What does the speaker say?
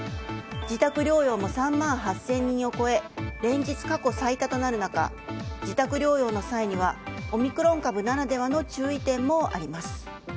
自宅療養も３万８０００人を超え連日過去最多となる中自宅療養の際にはオミクロン株ならではの注意点もあります。